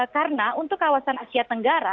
karena untuk kawasan asia tenggara